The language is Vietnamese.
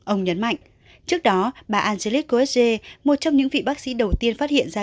ông nhấn mạnh trước đó bà angelique coetzee một trong những vị bác sĩ đầu tiên phát hiện ra